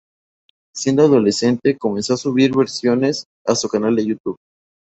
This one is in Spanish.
Siendo adolescente comenzó a subir versiones a su canal de YouTube.